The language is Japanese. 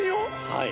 はい。